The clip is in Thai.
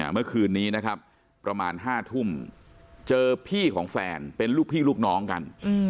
เมื่อคืนนี้นะครับประมาณ๕ทุ่มเจอพี่ของแฟนเป็นลูกพี่ลูกน้องกัน